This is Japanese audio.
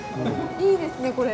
いいですねこれも。